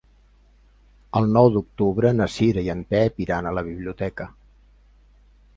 El nou d'octubre na Cira i en Pep iran a la biblioteca.